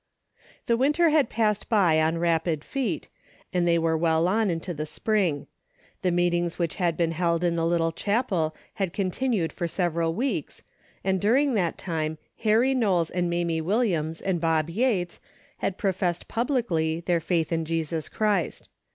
The winter had passed by on rapid feet, and they were well on into the spring. The meet ings which had been held in the little chapel had continued for several weeks, and during that time Harry Knowles and Mamie Williams and Bob Yates had professed publicly their faith in Jesus Christ.